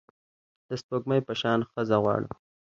د سپوږمۍ په شان ښځه غواړم